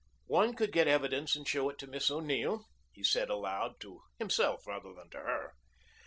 "One could get evidence and show it to Miss O'Neill," he said aloud, to himself rather than to her.